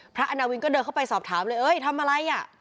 อาณาวินก็เดินเข้าไปสอบถามเลยเอ้ยทำอะไรอ่ะ